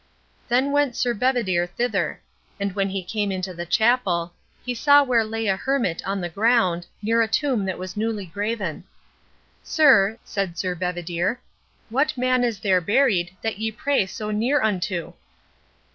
Then went Sir Bedivere thither; and when he came into the chapel, he saw where lay an hermit on the ground, near a tomb that was newly graven. "Sir," said Sir Bedivere, "what man is there buried that ye pray so near unto?"